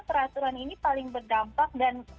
peraturan ini paling berdampak dan